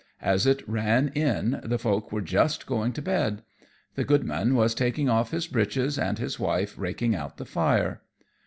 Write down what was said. As it ran in the folk were just going to bed. The goodman was taking off his breeches, and his wife raking out the fire.